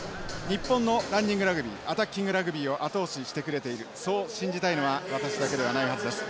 日本のランニングラグビーアタッキングラグビーを後押ししてくれているそう信じたいのは私だけではないはずです。